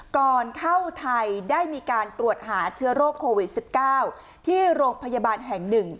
ก่อนเข้าไทยได้มีการตรวจหาเชื้อโรคโควิด๑๙ที่โรงพยาบาลแห่ง๑